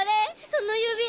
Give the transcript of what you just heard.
その指。